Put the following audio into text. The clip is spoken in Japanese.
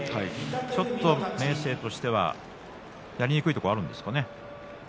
ちょっと明生としてはやりにくいところがあるんですかね。